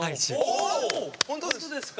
お本当ですか？